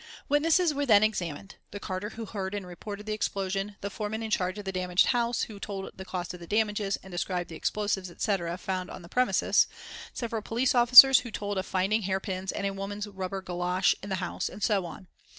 Witnesses were then examined; the carter who heard and reported the explosion; the foreman in charge of the damaged house, who told the cost of the damages, and described the explosives, etc., found on the premises; several police officers who told of finding hairpins and a woman's rubber golosh in the house, and so on.